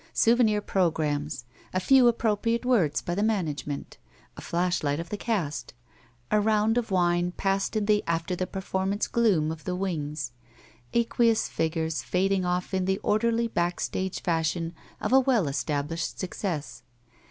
Souvenir programs. A few appropriate words by the management. A flashlight of the cast. A round of wine passed in the after the performance gloom of the wings. Aque ous figures fading off in the orderly back stage fashion of a well established success.